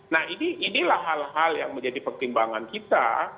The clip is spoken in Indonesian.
nah inilah hal hal yang menjadi pertimbangan kita